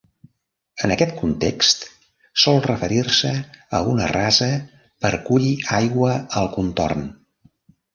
En aquest context, sol referir-se a una rasa per collir aigua al contorn.